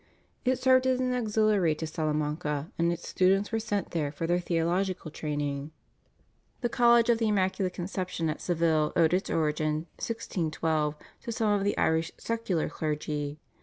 It served as an auxiliary to Salamanca, and its students were sent there for their theological training. The College of the Immaculate Conception at Seville owed its origin (1612) to some of the Irish secular clergy.